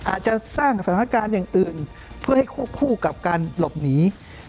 อาจจะสร้างสถานการณ์อย่างอื่นเพื่อให้ควบคู่กับการหลบหนี